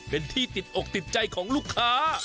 เป็นที่ติดอกติดใจของลูกค้า